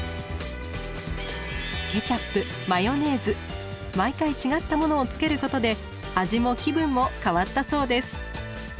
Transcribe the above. ケチャップマヨネーズ毎回違ったものをつけることで味も気分も変わったそうです。